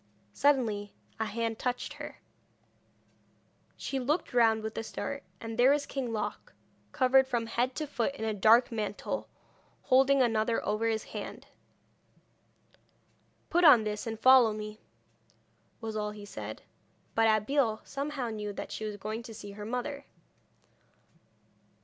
Suddenly a hand touched her. She looked round with a start, and there was King Loc, covered from head to foot in a dark mantle, holding another over his arm. 'Put on this and follow me,' was all he said. But Abeille somehow knew that she was going to see her mother.